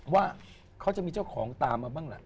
ว่าเขาจะมีเจ้าของตามมาบ้างล่ะ